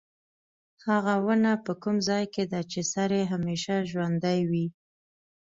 هغه ونه په کوم ځای کې ده چې سړی همیشه ژوندی وي.